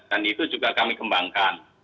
dan itu juga kami kembangkan